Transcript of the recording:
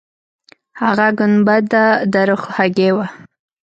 هغه ګنبده د رخ هګۍ وه.